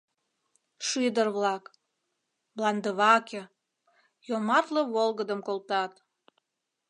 Шӱдыр-влак… мландываке… йомартле волгыдым колтат.